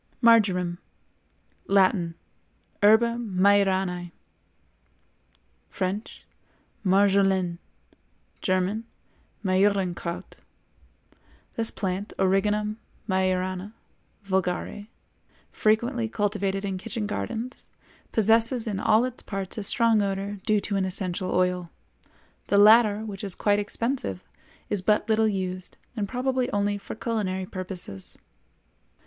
MARJORAM. Latin—Herba majoranæ; French—Marjolaine; German—Majorankraut. This plant, Origanum Majorana (vulgare), frequently cultivated in kitchen gardens, possesses in all its parts a strong odor due to an essential oil. The latter, which is quite expensive, is but little used, and probably only for culinary purposes.